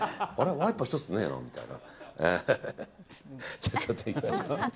ワイパー１つねえなみたいな。